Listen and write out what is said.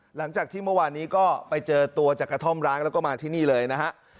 หลังจากที่เมื่อวานนี้ก็ไปเจอตัวจากกระท่อมร้างแล้วก็มาที่นี่เลยนะฮะ